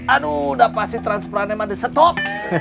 aduh udah pasti transporannya mah di stop